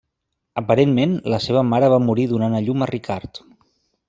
Aparentment la seva mare va morir donant a llum a Ricard.